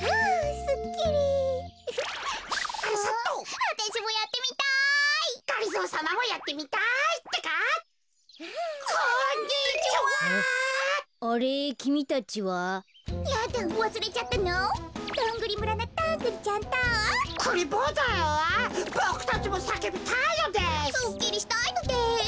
すっきりしたいのです。